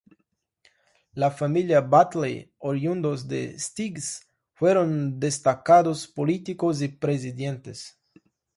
La familia Batlle, oriundos de Sitges, fueron destacados políticos y presidentes.